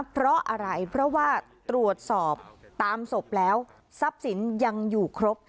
เพราะอะไรเพราะว่าตรวจสอบตามศพแล้วทรัพย์สินยังอยู่ครบ